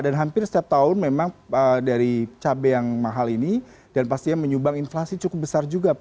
dan hampir setiap tahun memang dari cabai yang mahal ini dan pastinya menyumbang inflasi cukup besar juga